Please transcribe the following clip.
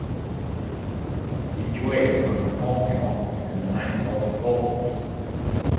Situated on the Holm Hill is a nine-hole golf course.